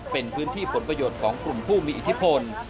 เป็นพื้นที่ผลประโยชน์ของกลุ่มผู้มีอิทธิพล